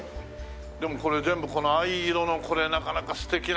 でもこれ全部この藍色のこれなかなか素敵な。